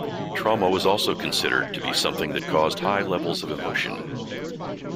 Trauma was also considered to be something that caused high levels of emotion.